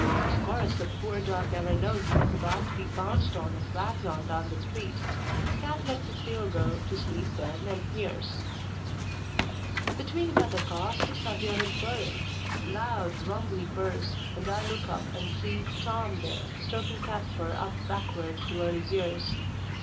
Of course, the poor dog never knows it was about to be pounced on and wags on down the street. Cat lets his tail go to sleep then and sneers. Between weathercasts I hear him purring, loud rumbly purrs, and I look up and see Tom there, stroking Cat's fur up backward toward his ears.